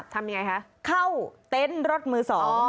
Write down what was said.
ทำยังไงคะเข้าเต็นต์รถมือ๒